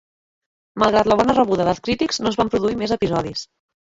Malgrat la bona rebuda dels crítics, no es van produir més episodis.